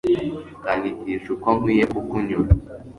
ukanyigisha uko nkwiye kukunyura